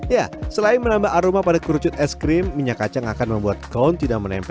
ya selain menambah aroma pada kerucut es krim minyak kacang akan membuat daun tidak menempel